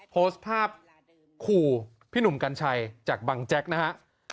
โพสต์ภาพขู่พี่หนุ่มกัญชัยจากบังแจ๊กนะฮะ